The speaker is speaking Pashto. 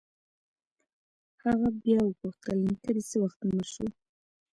هغه بيا وپوښتل نيکه دې څه وخت مړ سو.